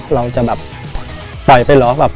เราจะแบบปล่อยไปเหรอแบบ